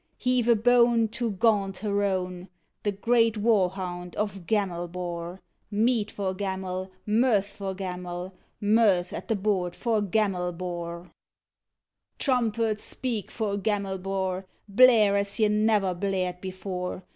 Heave a bone To gaunt Harone, The great war hound of Gamelbar! Mead for Gamel, Mirth for Gamel, Mirth at the board for Gamelbar! Trumpets, speak for Gamelbar! Blare as ye never blared before!